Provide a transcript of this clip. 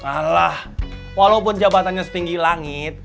malah walaupun jabatannya setinggi langit